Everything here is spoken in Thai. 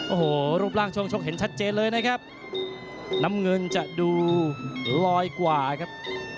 โอ้โหรูปร่างช่วงชกเห็นชัดเจนเลยนะครับน้ำเงินจะดูลอยกว่าครับ